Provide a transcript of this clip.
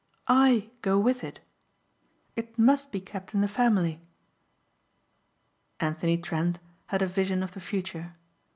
"I go with it. It must be kept in the family." Anthony Trent had a vision of the future.